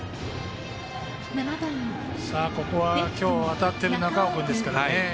ここは今日当たっている中尾君ですからね。